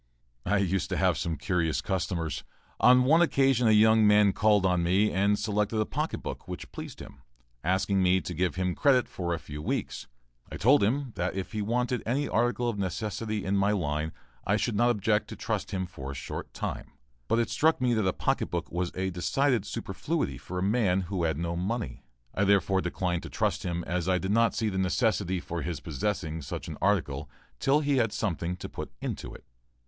I used to have some curious customers. On one occasion a young man called on me and selected a pocket book which pleased him, asking me to give him credit for a few weeks. I told him that if he wanted any article of necessity in my line, I should not object to trust him for a short time, but it struck me that a pocket book was a decided superfluity for a man who had no money; I therefore declined to trust him as I did not see the necessity for his possessing such an article till he had something to put into it.